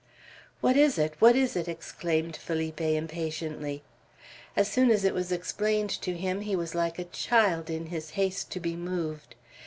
"What is it? What is it?" exclaimed Felipe, impatiently. As soon as it was explained to him, he was like a child in his haste to be moved.